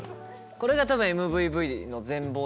これが多分ＭＶＶの全貌ですよね。